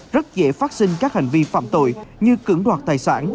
rất dễ phát sinh các hành vi phạm tội như cưỡng đoạt tài sản